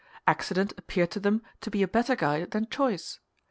Accident appeared to them to be a better guide than choice.